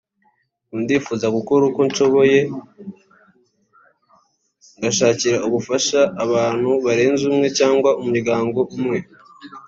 Ubu ndifuza gukora uko nshoboye ngashakira ubufasha abantu barenze umwe cyangwa umuryango umwe